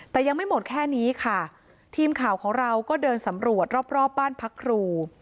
แต่ยังไม่หมดแค่นี้ค่ะทีมข่าวของเราก็เดินสำรวจรอบรอบบ้านพักครู